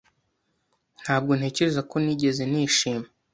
Ntabwo ntekereza ko nigeze nishima.